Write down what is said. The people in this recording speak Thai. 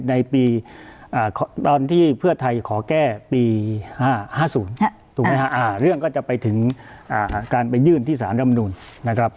ในปีตอนที่เพื่อไทยขอแก้ปี๕๐ถูกไหมฮะเรื่องก็จะไปถึงการไปยื่นที่สารรำนูนนะครับ